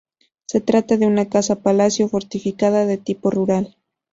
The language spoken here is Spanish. Se trata de una casa-palacio fortificada de tipo rural.